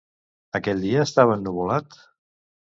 Aquell dia estava ennuvolat?